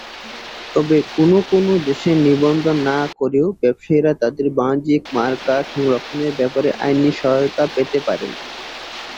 তবে কোনও কোনও দেশে নিবন্ধন না করেও ব্যবসায়ীরা তাদের বাণিজ্যিক মার্কা সংরক্ষণের ব্যাপারে আইনি সহায়তা পেতে পারেন।